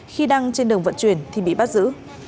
khi đang trên đường vận chuyển thì bị bắt giữ